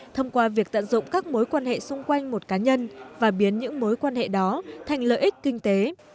thông qua việc tận dụng các mối quan hệ xung quanh một cá nhân và biến những mối quan hệ đó thành lợi ích kinh tế